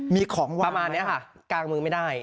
มีของประมาณนี้ค่ะกลางมือไม่ได้